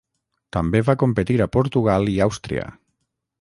També va competir a Portugal i Àustria.